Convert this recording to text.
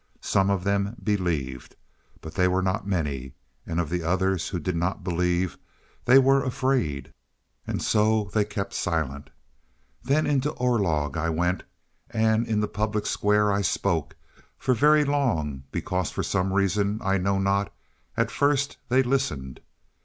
Some of them believed. But they were not many, and of the others who did not believe, they were afraid, and so kept they silent. Then into Orlog I went, and in the public square I spoke for very long, because, for some reason I know not, at first they listened.